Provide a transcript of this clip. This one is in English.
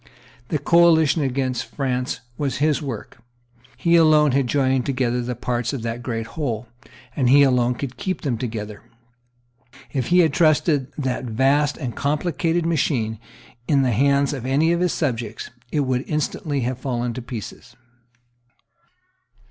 The coalition against France was his work. He alone had joined together the parts of that great whole; and he alone could keep them together. If he had trusted that vast and complicated machine in the hands of any of his subjects, it would instantly have fallen to pieces.